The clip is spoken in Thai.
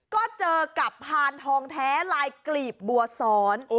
ก็เจอกับพานทองแท้ลายกลีบบัวซ้อน